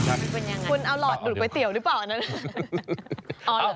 คุณเอาหลอดดูดก๋วยเตี๋ยวหรือเปล่าอันนั้น